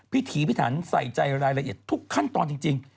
ถีพิถันใส่ใจรายละเอียดทุกขั้นตอนจริง